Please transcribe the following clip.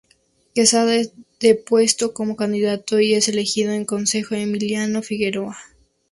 Quezada es depuesto como candidato y es elegido, en consenso, Emiliano Figueroa.